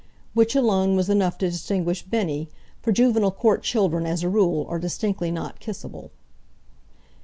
Which alone was enough to distinguish Bennie, for Juvenile court children, as a rule, are distinctly not kissable.